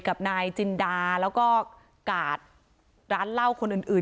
กับนายจินดาแล้วก็กาดร้านเหล้าคนอื่น